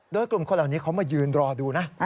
โดยกลุ่มคนเหล่านี้เขามายืนรอดูนะ